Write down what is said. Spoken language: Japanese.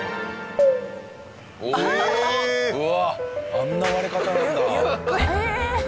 あんな割れ方なんだ。ゆっくり。